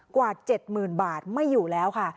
กว่าเจ็ดหมื่นบาทไม่อยู่แล้วค่ะ